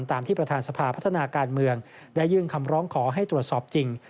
ตามที่ประธานสภาพัฒนาการเมืองได้ยื่นคำร้องขอให้ตรวจสอบจริง